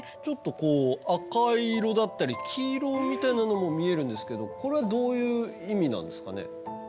ちょっとこう赤い色だったり黄色みたいなのも見えるんですけどこれはどういう意味なんですかね？